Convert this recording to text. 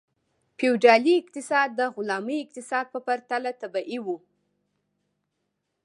فیوډالي اقتصاد د غلامي اقتصاد په پرتله طبیعي و.